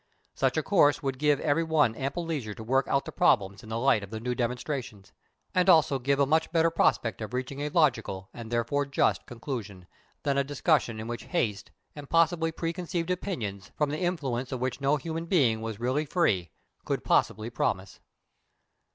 Such a course would give every one ample leisure to work out the problems in the light of the new demonstrations, and also give a much better prospect of reaching a logical, and therefore just, conclusion than a discussion in which haste, and possibly pre conceived opinions, from the influence of which no human being was really free, could possibly promise.